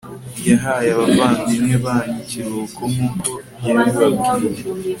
yahaye abavandimwe banyu ikiruhuko nk'uko yabibabwiye